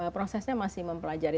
prosesnya masih mempelajari